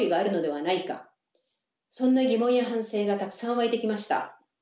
そんな疑問や反省がたくさん湧いてきました。